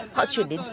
họ chuyển đến sàu